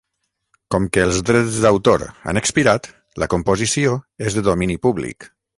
Com que els drets d'autor han expirat, la composició és de domini públic.